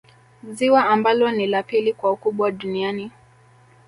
Ziwa ambalo ni la pili kwa ukubwa duniani